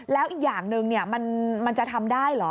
แล้วอีกอย่างหนึ่งมันจะทำได้เหรอ